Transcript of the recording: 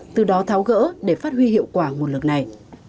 từ đó tháo gỡ để phát huy hiệu quả nguồn lực này